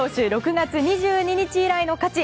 ６月２２日以来の勝ち